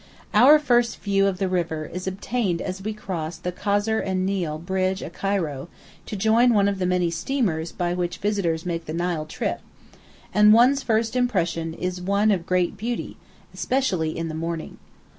Our first view of the river is obtained as we cross the Kasr en Nil bridge at Cairo to join one of the many steamers by which visitors make the Nile trip, and one's first impression is one of great beauty, especially in the early morning.